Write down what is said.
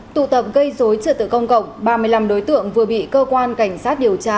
tụ tập gây dối trật tự công cộng ba mươi năm đối tượng vừa bị cơ quan cảnh sát điều tra